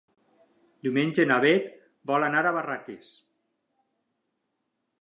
Diumenge na Bet vol anar a Barraques.